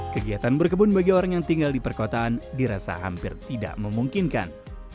kegiatan berkebun bagi orang yang tinggal di perkotaan dirasa hampir tidak memungkinkan